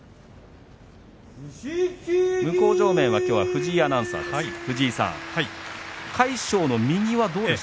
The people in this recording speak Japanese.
向正面はきょうは藤井アナウンサーです。